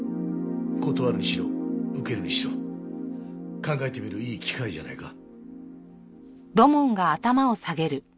断るにしろ受けるにしろ考えてみるいい機会じゃないか？